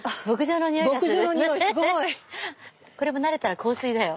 これも慣れたら香水だよ。